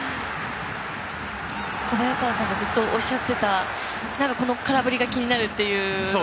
小早川さんがずっとおっしゃっていたこの空振りが気になるっていう。